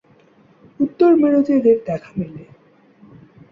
উত্তর মেরুতে এদের দেখা মেলে।